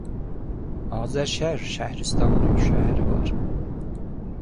Azərşəhr şəhristanının üç şəhəri var.